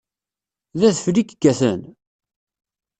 D adfel i yekkaten?